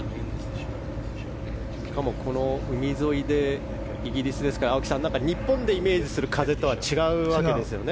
しかも、海沿いでイギリスですから日本でイメージする風とは違うわけですよね。